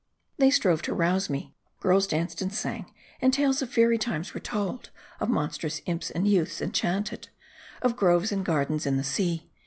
They strove to rouse me. Girls danced and sang ; and tales of fairy times were told ; of monstrous imps, and youths enchanted; of groves and gardens in the sea.